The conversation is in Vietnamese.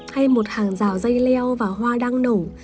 hay một hàng rào dây leo và hoa đang nổ